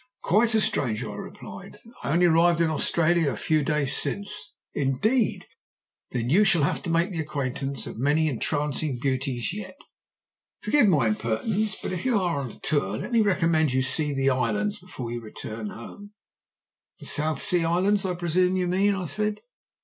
"'Quite a stranger,' I replied. 'I only arrived in Australia a few days since.' "'Indeed! Then you have to make the acquaintance of many entrancing beauties yet. Forgive my impertinence, but if you are on a tour, let me recommend you to see the islands before you return home.' "'The South Sea Islands, I presume you mean?' I said.